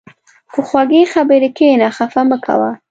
په خوږې خبرې کښېنه، خفه مه کوه.